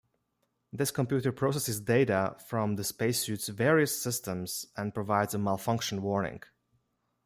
This computer processes data from the spacesuit's various systems and provides a malfunction warning.